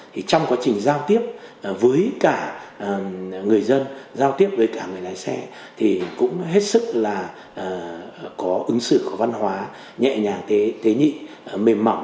thì trong quá trình giao tiếp với cả người dân giao tiếp với cả người lái xe thì cũng hết sức là có ứng xử có văn hóa nhẹ nhàng tế nhị mềm mỏng